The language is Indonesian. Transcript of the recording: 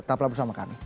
tetaplah bersama kami